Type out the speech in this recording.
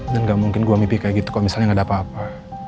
gak mungkin gua mimpi kayak gitu kok misalnya gak ada apa apa